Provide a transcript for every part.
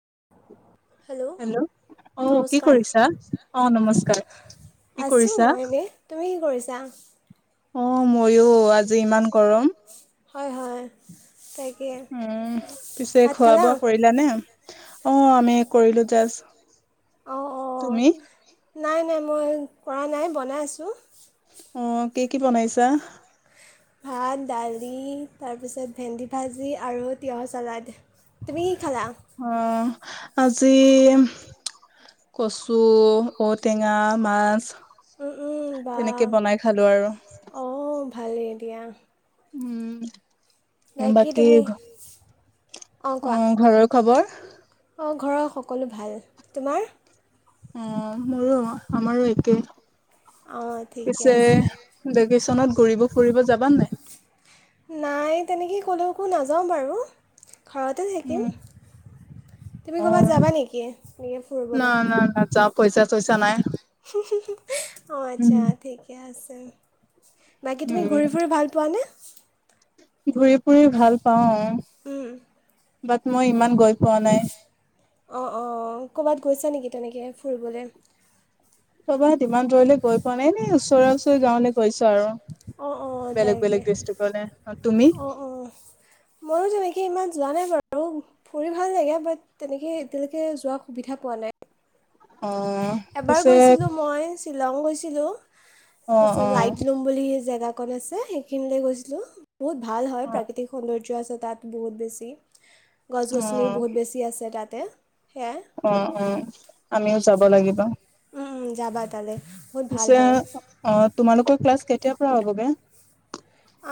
[inaudible] Hello. অ কি নমস্কাৰ কৰিছা? অ নমস্কাৰ। কি আছোঁ কৰিছা মই এনেই, তুমি কি কৰিছা? অ ময়ো আজি ইমান গৰম। হয় হয়। তাকে উম পিছে ভাত খোৱা খালা বোৱা কৰিলা নে? অ আমি কৰিলো জাষ্ট, অঁ অঁ তুমি? নাই নাই মই কৰা নাই বনাই আছোঁ। অ কি কি বনাইছা? ভাত দালি তাৰপিছত ভেন্দি ভাজি আৰু তিঁয়হ চলাড, তুমি? খালা অঁ। আজি কচু, ঔটেঙা, মাছ উম উম বা তেনেকে বনাই খালো আৰু। ভালে দিয়া। উম। বাকী তুমি অঁ ঘৰৰ খবৰ? অঁ ঘৰৰ সকলো ভাল, তোমাৰ? অ মোৰো আমাৰো একে। অঁ ঠিকে পিছে আছে ভেকেশচনত ঘুৰিব ফুৰিব যাবা নে নাই? নাই তেনেকে ক'লৈকো নাযাওঁ বাৰু। ঘৰতে থাকিম, উম তুমি ক'বাত অ যাবা নেকি এনেকে না ফুৰিবলে? না না যাওঁ পইচা চইচা নাই। অ উম, আচ্ছা ঠিকে আছে। বাকী তুমি ঘূৰি ফুৰি ভাল পোৱানে? ঘূৰি ফুৰি ভাল পাওঁ। উম, বাট মই ইমান গৈ পোৱা নাই। অ, অ, ক'বাত গৈছা নেকি তেনেকে ফুৰিবলে? ক'বাত ইমান দূৰলে গৈ পোৱা নাই এনে ওচৰে ওচৰি গাওলৈ গৈছো আৰু। অ' অ' বেলেগ তাকে। বেলেগ ডিষ্ট্ৰিকলে তুমি অ অ, ময়ো তেনেকে ইমান যোৱা নাই বাৰু। আৰু ফুৰি ভাল লাগে বাট তেনেকে এতিয়ালৈকে যোৱাৰ সুবিধা পোৱা নাই। অ' এবাৰ পিছে গৈছিলো মই শ্বিলং গৈছিলো অ' তাৰপিছত অ' লাইট লোম বুলি জেগা কন আছে সেইখিনিলে গৈছিলো বহুত ভাল হয় অ' প্ৰাকৃতিক সৌন্দৰ্য আছে তাত বহুত বেছি গছ গছনি বহুত বেছি আছে তাতে। সেয়াই অ উম আমিও যাব লাগিব। উম যাবা তালে। পিছে অ তোমালোকৰ ক্লাছ কেতিয়াৰ পৰা হ'ব গে।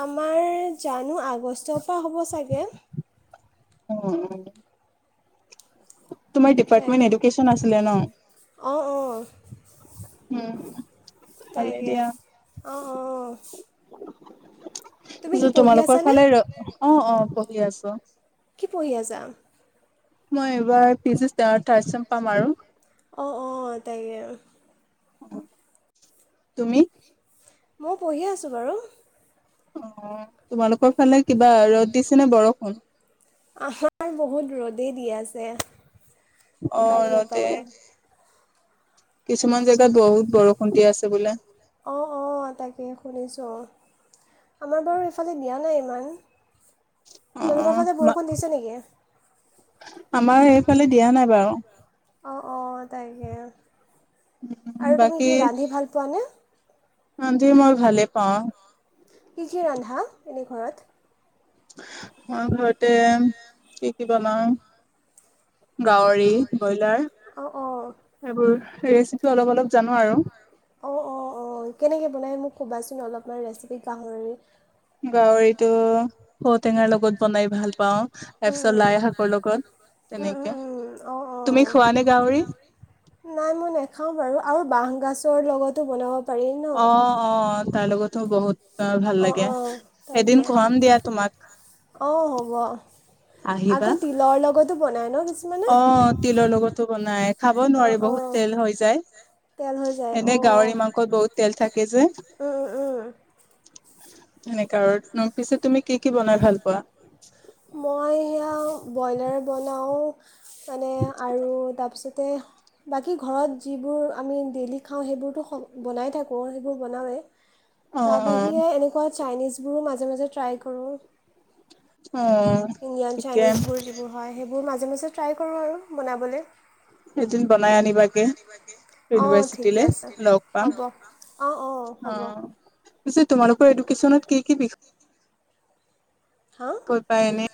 আমাৰ জানো আগষ্টৰ পৰা হ'ব চাগে। [unintelligible] তোমাৰ তাকে ডিপাৰ্টমেন্ট এডুকেচন আছিলে ন? অঁ অঁ হুম। তাকে অ'অ'অ' তোমালোকৰ ফালে অ অ পঢ়ি আছো। কি পঢ়ি আছা? মই এইবাৰ পিজি ষ্টাৰ থাৰ্ড চেম পাম আৰু। অ অ তাকে তুমি মই পঢ়িয়ে আছোঁ বাৰু অ তোমালোকৰ ফালে কিবা ৰ'দ দিছে নে বৰষুণ? যে অ ৰদে কিছুমান জেগাত বহুত বৰষুণ দি আছে বোলে অ অ তাকে শুনিছো। আমাৰ বাৰু এইফালে দিয়া নাই। অ অ তোমালোকৰ ফালে বৰষুণ দিছে নেকি? আমাৰ সেইফালে দিয়া নাই বাৰু। অঁ অঁ তাকে উ আৰু তুমি বাকী কি ৰান্ধি ভাল পোৱানে? ৰান্ধি মই ভালে পাওঁ। কি কি ৰান্ধা এনে ঘৰত? মই ঘৰতে কি কি বনাও গাহৰি ব্ৰইলাৰ অঁ অঁ এইবোৰ ৰেচিপি অলপ অলপ জানো আৰু। অ অ অ কেনেকে বনাই মোক কবাচোন অলপমান ৰেচিপি গাহৰি? গাহৰিটো ঔ টেঙাৰ লগত বনাই ভাল পাওঁ তাৰ উম পিছত লাই শাকৰ লগত উম উম তেনেকে। উম উম অঁ অঁ তুমি খোৱা নে গাহৰি? নেখাওঁ বাৰু আৰু বাহ গছৰ লগতো বনাব পাৰি ন অ, অ তাৰ লগতো বহুত তাৰ ভাল অঁ লাগে অঁ তাকে এদিন খুৱাম দিয়া তোমাক। অঁ হ'ব আহিবা। আকৌ তিলৰ লগতো বনাই ন কি অ তিলৰ লগতো বনাই খাব অঁ নোৱাৰি বহুত অঁ তেল হৈ তেল হৈ যায় যায়। এনে অঁ গাহৰি মাংসত বহুত তেল থাকে যে। অঁ সেনেকা আৰু পিছে তুমি কি কি বনাই ভাল পোৱা? মই সেয়া ব্ৰইলাৰ বনাওঁ মানে আৰু তাৰপিছত তে বাকী ঘৰত যিবোৰ আমি ডেইলি খাওঁ সেইবোৰতো বনাই থাকোঁ সেইবোৰ বনাওঁৱেই। অ তাৰ বাহিৰে অ এনেকুৱা চাইনিজবোৰো মাজে মাজে ট্ৰাই কৰোঁ। অ ইণ্ডিয়ান ঠিকে চাইনিজবোৰ যিবোৰ হয় সেইবোৰ মাজে মাজে ট্ৰাই কৰোঁ আৰু বনাবলৈ। এদিন বনাই আনিবাগে অ ইউনিভাৰ্চিটিলে ঠিকে আছে লগ পাম হ'ব অ অ। অঁ অ হ'ব। পিছে তোমালোকৰ এডুকেশ্যনত কি কি বিষয় হাঁ কৈ পাই এনে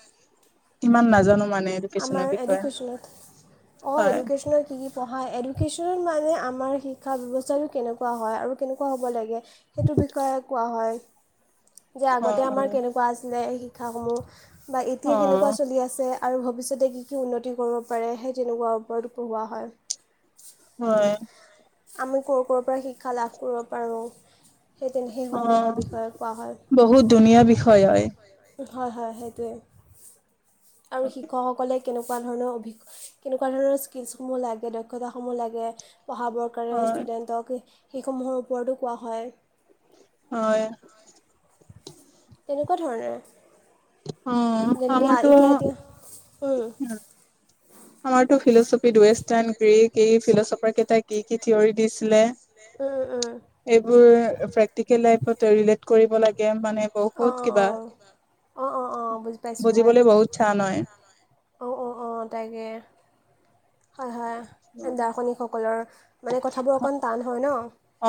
ইমান নাজানো। মানে এডুকেশ্যনৰ আমাৰ বিষয়ে এডুকেশ্যনত অঁ হয় এডুকেশ্যনত কি কি পঢ়া হয় এডুকেশ্যনত মানে আমাৰ শিক্ষা ব্যৱস্থাটো কেনেকুৱা হয় আৰু কেনেকুৱা হ'ব লাগে সেইটো বিষয়ে কোৱা হয়। যে অ আগতে আমাৰ কেনেকুৱা আছিলে শিক্ষাসমূহ বা অ অ এতিয়া কেনেকুৱা চলি আছে আৰু ভৱিষ্যতে কি কি উন্নতি কৰিব পাৰে সেই তেনেকুৱা ওপৰত পঢ়োৱা হয়। হয়। আমি ক'ৰ ক'ৰ পৰা শিক্ষা লাভ কৰিব পাৰোঁ। সেই তেনে অ, সেইসমূহৰ বিষয়ে কোৱা হয় বহুত ধুনীয়া বিষয় হয়। হয় হয় সেইটোৱেই আৰু শিক্ষকসকলে কেনেকুৱা ধৰণৰ অভি কেনেকুৱা ধৰণৰ স্কিলচ সমুহ লাগে দক্ষতাসমুহ লাগে পঢ়াবৰ কাৰণে হয়, ষ্টুডেণ্টক সেইসমূহৰ ওপৰতো কোৱা হয়। হয়। তেনেকুৱা অ', ধৰণেৰে যেনেকে আমাৰতো এতিয়া এতিয়া উম। আমাৰতো ফিলচফি ৱেষ্টাৰ্ণ গ্ৰীক এই ফিলচফাৰ কেইটাই কি কি থিয়ৰী দিছিলে। উম উম এইবোৰ প্ৰেক্টিকেল লাইফত ৰিলেট কৰিব লাগে। মানে বহুত কিবা। অ', অ', অ', বুজি পাইছোঁ হয়। বুজিবলৈ বহুত টান হয়। অ'অ' অ' তাকে। হয় হয় দাৰ্শনিকসকলৰ মানে কথাবোৰ অকণ টান হয় ন।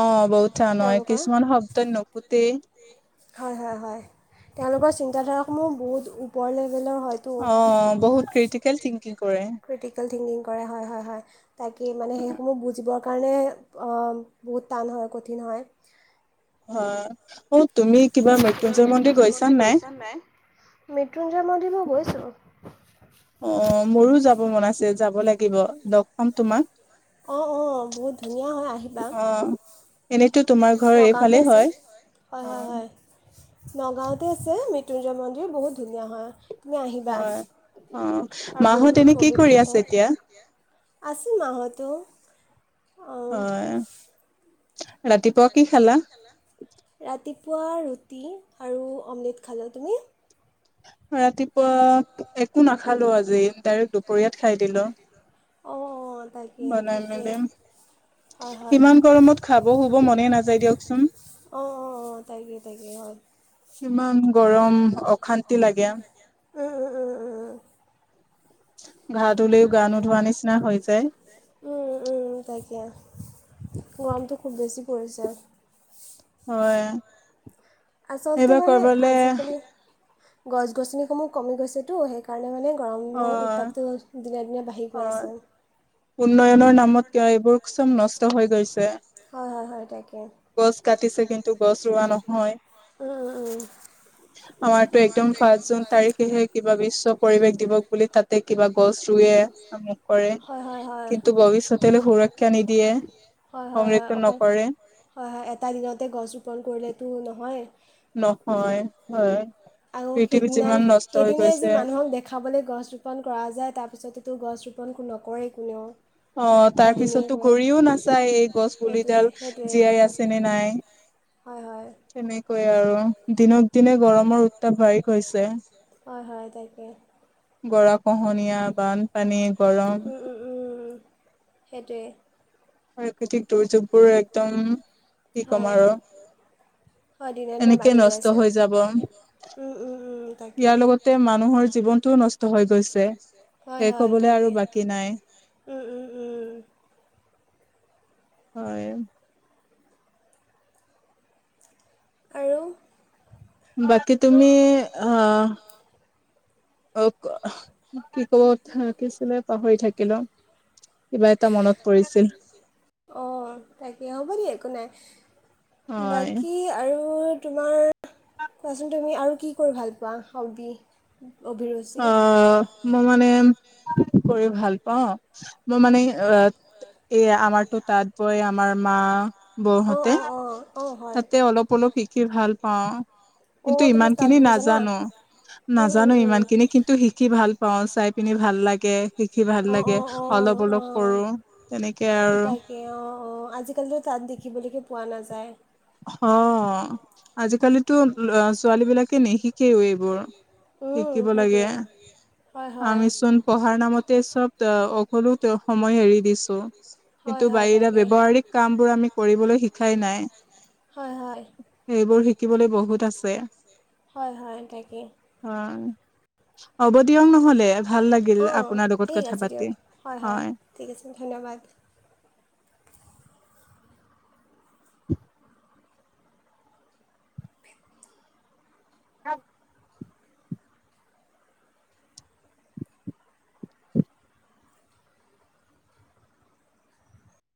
অ বহুত টান হয় কিছুমান তেওঁলোকৰ শব্দই নুফুতেই। হয়, হয়, হয়, তেওঁলোকৰ চিন্তাধাৰাসমূহ বহুত ওপৰলে অ বহুত ক্ৰিটিকেল থিংকিং। কৰে। ক্ৰিটিকেল থিংকিং কৰে হয় হয় হয় তাকে মানে সেইসমূহ বুজিব মানে অ বহুত টান হয় কঠিন হয়। হয়, অ তুমি কিবা মৃত্যুঞ্জয় মন্দিৰ গৈছা নাই? মৃত্যুঞ্জয় মন্দিৰ মই গৈছোঁ। অ মোৰো যাব মন আছে যাব লাগিব লগ পাম তোমাক। অঁ অঁ বহুত ধুনীয়া হয় আহিবা। অ'। এনেতো তোমাৰ ঘৰৰ নগাঁৱতে এইফালেই আছে হয়। হয় অ হয় হয়, নগাঁৱতে আছে মৃত্যুঞ্জয় মন্দিৰ বহুত ধুনীয়া হয়। তুমি আহিবা হয়, অ আৰু মাহ'ত বহুত এনে কি পবিত্ৰ কৰি আছে ঠাই এতিয়া। আছে মাহতো হয় ৰাতিপুৱা কি খালা, ৰা ৰাতিপুৱা ৰুটি আৰু অমলেট খালোঁ তুমি ৰাতিপুৱা একো নাখালো আজি ডাইৰেক্ট দুপৰীয়াত খাই দিলো অ বানাই মেলি হয় হয় ইমান গৰমত খাব-শুব মনে নাযায় দিয়কচোন। অ অ অ তাকে তাকে হয়। ইমান গৰম অশান্তি লাগে উম উম উম ঘা ধুলেও গা নোধোৱা নিচিনা হৈ যায় উম উম উম তাকে গৰমটো খুব বেছি পৰিছে। হয় আচলতে এইবাৰ মানে কৰবালে আজিকালি গছ-গছনিসমূহ কমি গৈছেতো সেইকাৰণে মানে অ গৰমৰ উত্তাপটো দিনে-দিনে বাঢ়ি গৈ হয় আছে। উন্নয়নৰ নামত কিয় এইবোৰ চব নষ্ট হৈ গৈছে হয় হয় হয় তাকে গছ কাটিছে কিন্তু গছ ৰোৱা নহয়। উম-উম-উম আমাৰতো একদম পাঁচ জুন তাৰিখেহে কিবা বিশ্ব পৰিবেশ দিৱস বুলি তাতে কিবা গছ ৰুৱে আমুক কৰে হয় হয় হয় কিন্তু ভৱিষ্যতেলৈ সুৰক্ষা নিদিয়ে এ হয় হয় হয় অকল হয় হয় এটা দিনতে গছ ৰোপণ কৰিলে টো নহয় নহয় হয় আৰু পৃথিৱী সেইদিনাই, যিমান নষ্ট হৈ সেইদিনাই যি গৈছে মানুহক দেখাবলৈ গছ ৰোপন কৰা যায় তাৰপিছততো গছ ৰোপন মন কোন নকৰেই কোনেও অ তাৰ এদিনেই পিছততো কৰে ঘুৰিও নাচায়, এই গছ সেইটোৱে পুলিডাল সেইটোৱে জীয়াই সেইটোৱে আছে নে নাই। হয় হয় তেনেকৈয়ে আৰু দিনক-দিনে গৰমৰ উত্তাপ বাঢ়ি গৈছে। হয়-হয় তাকে গৰা-খহনীয়া, বানপানী, গৰম উম উম উম সেইটোৱে প্ৰাকৃতিক দুৰ্যোগবোৰ একদম কি হয় কম আৰু হয় দিনে-দিনে এনেকে বাঢ়ি গৈ নষ্ট হৈ যাব তাকে ইয়াৰ লগতে মানুহৰ জীৱনটোও নষ্ট হৈ গৈছে। শেষ হবলৈ আৰু বাকী নাই। উম-উম-উম। হয়। আৰু বাকী তুমি, আহ- আকৌ কি ক'ব থাকিছিলে পাহৰি থাকিলো। কিবা এটা মনত পৰিছিল। অ' তাকে হ'ব দিয়া একো নাই হয় বাকী আৰু তোমাৰ কোৱাচোন তুমি আৰু কি কৰি ভাল পোৱা হবি। অভিৰুচি অহ মোৰ মানে। কৰি ভাল পাওঁ মই মানে এ এই আমাৰতো তাঁত বৈ আমাৰ মা, বৌ অঁ হতে অঁ অঁ অঁ হয় তাতে অলপ-অলপ শিকি ভাল পাওঁ। কিন্তু অঁ তুমি তাঁত ইমানখিনি বব জানা নাজানো, নাজানো ইমান। খিনি অঁ কিন্তু শিকি ভাল পাওঁ, চাই পিনি ভাল লাগে। লিখি ভাল লাগে, অঁ অঁ অলপ-অলপ অঁ কৰো, তেনেকৈ আৰু। তাকে অঁ অঁ আজিকালিতো তাত দেখিবলৈকে পোৱা নাযায়। অহ আজিকালিতো ল'ৰা - ছোৱালীবিলাকে নিশিকেও এইবোৰ। উম, শিকিব লাগে। সেইটোৱে হয় হয় আমিচোন পঢ়াৰ নামতেই চব- এ সকলো তেওঁক সময় এৰি দিছো। হয় কিন্তু হয় বাহিৰা তাকে ব্যৱহাৰিক কামবোৰ আমি কৰিবলৈ শিকাই নাই। হয় হয় এইবোৰ শিকিবলৈ বহুত আছে। হয়-হয় তাকে। হবো দিয়ক নহলে ভাল লাগিল অঁ আপোনাৰ লগত ঠিক কথা আছে পাতি দিয়ক হয়। ঠিক আছে ধন্যবাদ [inaudible] অ'।